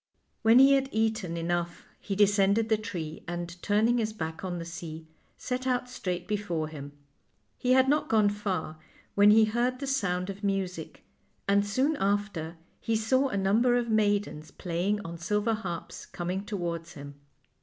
When he had eaten enough he descended the tree, and, turning his back on the sea, set out straight before him. He had not gone far when he heard the sound of music, and soon after he saw r a number of maid ens playing on silver harps coming towards him.